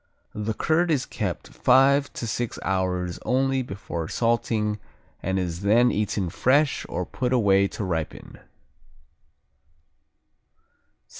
The curd is kept five to six hours only before salting and is then eaten fresh or put away to ripen.